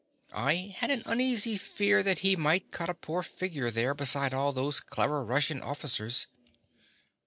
I had an uneasy fear that he might cut a poor figure there beside all those clever Russian officers.